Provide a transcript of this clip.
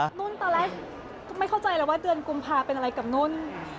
นุ่นตอนแรกไม่เข้าใจแล้วว่าเดือนกุมภาเป็นอะไรกับนุ่น